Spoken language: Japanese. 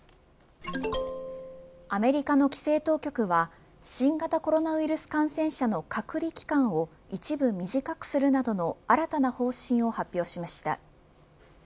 アメリカの規制当局は新型コロナウイルス感染者の隔離期間を、一部短くするなどの新たな方針を発表しました。